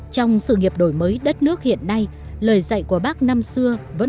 trong sự nghiệp đổi mới đất nước hiện nay lời dạy của bác năm xưa